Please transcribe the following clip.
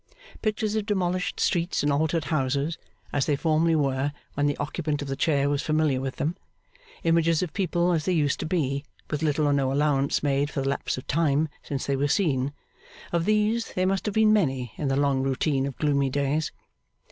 Pictures of demolished streets and altered houses, as they formerly were when the occupant of the chair was familiar with them, images of people as they too used to be, with little or no allowance made for the lapse of time since they were seen; of these, there must have been many in the long routine of gloomy days.